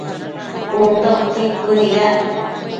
Cun ta utsin cuënuidac